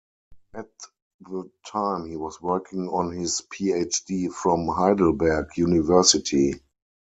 At the time he was working on his Ph.D. from Heidelberg University.